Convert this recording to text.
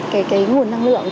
cái nguồn năng lượng